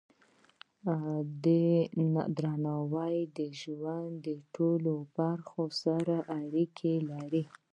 درناوی د ژوند د ټولو برخو سره اړیکه لري.